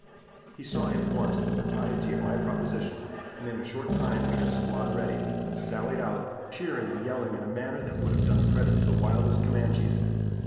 He saw at once the propriety of my proposition, and in a short time we had a squad ready, and sallied out, cheering and yelling in a manner that would have done credit to the wildest Comanches.